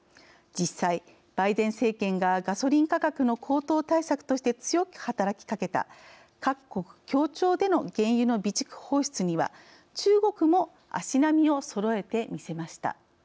実際、バイデン政権がガソリン価格の高騰対策として強く働きかけた各国協調での原油の備蓄放出には中国も足並みをそろえてみせました。